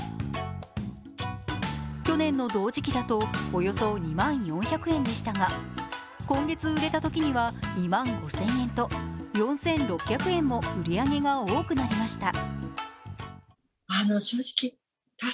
去年の同時期だとおよそ２万４００円でしたが、今月売れたときには２万５０００円と４６００円も売り上げが多くなりました。